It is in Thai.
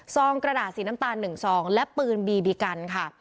องกระดาษสีน้ำตาล๑ซองและปืนบีบีกันค่ะ